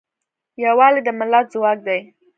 یوالی د ملت ځواک دی.